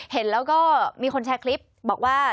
เห็นแล้วก็มีคนแชร์คลิปบอกว่า